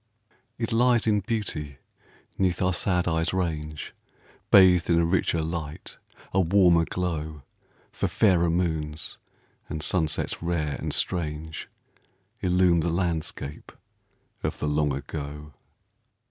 It lies in beauty 'neath our sad eyes' range, Bathed in a richer light, a warmer glow; For fairer moons, and sunsets rare and strange, Illume the landscape of the Long Ago.